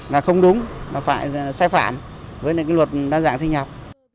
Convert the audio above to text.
là không đúng là phải sai phản với những luật đa dạng sinh nhập